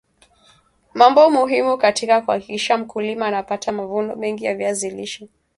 mambo muhimu katika kuhakikisha mmkulima anapata mavuno mengi ya viazi lishe